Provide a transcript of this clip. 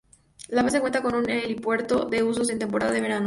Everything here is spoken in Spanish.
La base cuenta con un helipuerto de usos en temporada de verano.